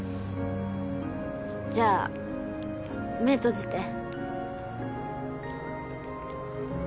じゃあ目閉じて。